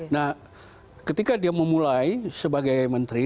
nah ketika dia memulai sebagai menteri